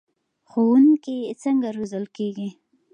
ښوونکي څنګه روزل کیږي؟